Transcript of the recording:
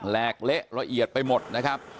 ลกเละละเอียดไปหมดนะครับ